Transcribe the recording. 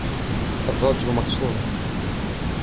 الراديو مكسورة.